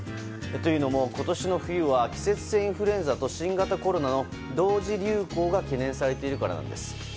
というのも今年の冬は季節性インフルエンザと新型コロナの同時流行が懸念されているからです。